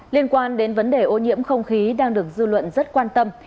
liên quan đến vấn đề ô nhiễm không khí đang được dư luận rất quan tâm